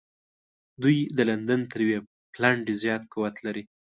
دوی د لندن تر یوه پلنډي زیات قوت لري.